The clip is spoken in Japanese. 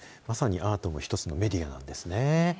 まさにアートも一つのメディアなんですね。